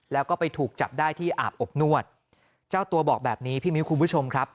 แล้วก็ไปถูกจับได้ที่อาบอบนวดเจ้าตัวบอกแบบนี้พี่มิ้วคุณผู้ชมครับ